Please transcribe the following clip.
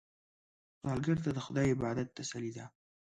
سوالګر ته د خدای عبادت تسلي ده